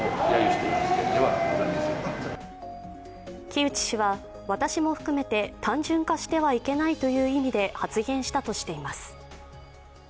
城内氏は、私も含めて単純化してはいけないという意味で発言したとしています。